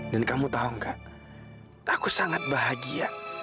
dan kamu tau gak aku sangat bahagia